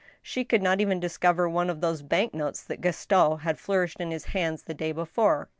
She could not even discover one of those bank notes that Gaston had flourished in his hands the day before.